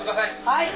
はい！